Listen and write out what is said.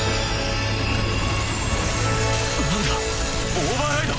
オーバーライド？